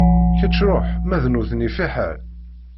Kečč ṛuḥ ma d nutni fiḥel.